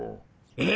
え？